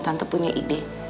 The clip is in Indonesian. tante punya ide